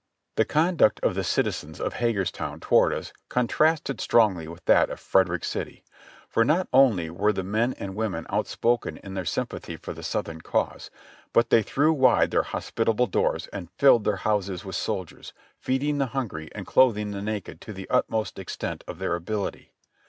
The conduct of the citizens of Hagerstown toward us con trasted strongly with that of Frederick City, for not only were tlie men and women outspoken in their sympathy for the South ern cause, but they threw wide their hospitable doors and filled their houses with soldiers, feeding the hungry and clothing the naked to the utmost extent of their ability.